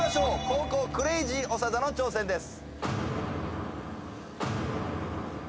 後攻クレイジー長田の挑戦です。